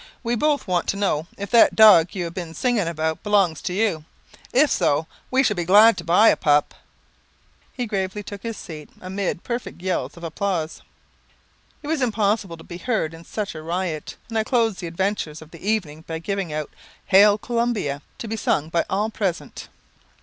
We both want to know if that dog you have been singing about belongs to you. If so, we should be glad to buy a pup." He gravely took his seat, amid perfect yells of applause. It was impossible to be heard in such a riot, and I closed the adventures of the evening by giving out "'Hail, Columbia,' to be sung by all present."